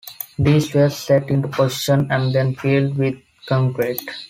These were set into position and then filled with concrete.